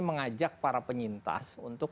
mengajak para penyintas untuk